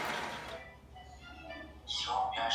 زما ملګری هیڅکله بد انسان نه دی.